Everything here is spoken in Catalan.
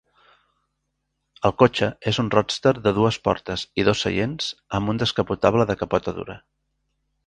El cotxe és un "roadster" de dues portes i dos seients amb un descapotable de capota dura.